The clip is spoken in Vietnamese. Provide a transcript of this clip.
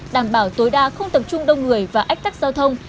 đảm bảo tối đa không tập trung đông người và ách tắc giao thông